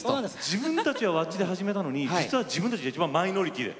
自分たちはワッ「チ」で始めたのに実は自分たちが一番マイノリティー。